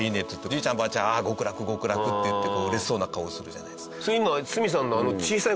じいちゃんばあちゃん「ああ極楽極楽」って言って嬉しそうな顔をするじゃないですか。